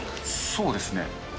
そうですね。